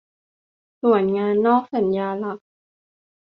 ส่วนงานนอกสัญญาหลัก